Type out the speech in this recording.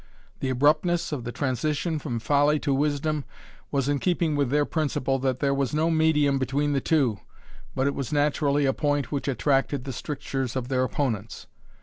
The abruptness of the transition from folly to wisdom was in keeping with their principle that there was no medium between the two, but it was naturally a point which attracted the strictures of their opponents.